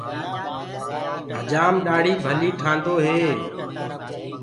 هجآم ڏآڙهي ڀلي ٺآندو هي۔